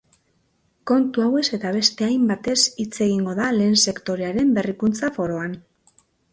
Kontu hauez eta beste hainbatez hitz egingo da lehen sektorearen berrikuntza foroan.